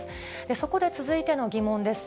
そこで続いての疑問です。